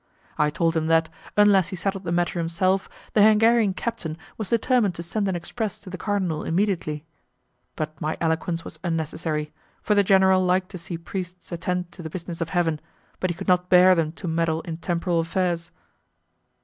I told him that, unless he settled the matter himself, the Hungarian captain was determined to send an express to the cardinal immediately. But my eloquence was unnecessary, for the general liked to see priests attend to the business of Heaven, but he could not bear them to meddle in temporal affairs.